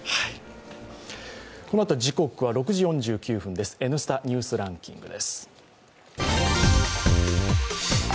このあとは「Ｎスタ・ニュースランキング」です。